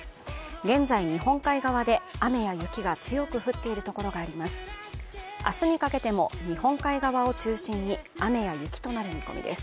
現在、日本海側で雨や雪が強く降っているところがあります。